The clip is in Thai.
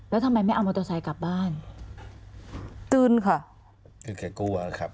แล้วทำไมไม่เอามอเตอร์ไซค์กลับบ้านตื่นค่ะตื่นแกกลัวนะครับ